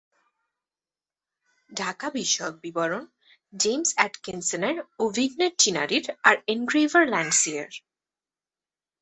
ঢাকা বিষয়ক বিবরণ জেমস অ্যাটকিনসনের ও ভিগনেট চিনারির, আর এনগ্রেভার ল্যান্ডসিয়ার।